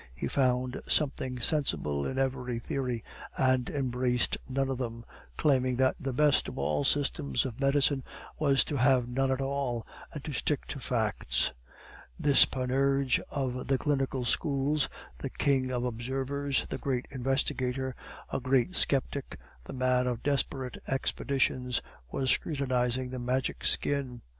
He found something sensible in every theory, and embraced none of them, claiming that the best of all systems of medicine was to have none at all, and to stick to facts. This Panurge of the Clinical Schools, the king of observers, the great investigator, a great sceptic, the man of desperate expedients, was scrutinizing the Magic Skin.